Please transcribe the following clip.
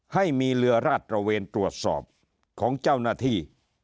ให้มีเรือราดตระเวนตรวจสอบของเจ้าหน้าที่